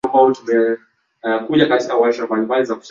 Mwaka elfu moja mia nane tisini na nane